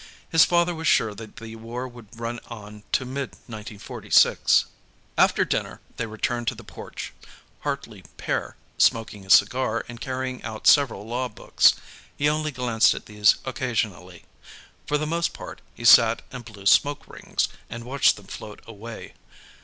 His father was sure that the War would run on to mid 1946. After dinner, they returned to the porch, Hartley père smoking a cigar and carrying out several law books. He only glanced at these occasionally; for the most part, he sat and blew smoke rings, and watched them float away.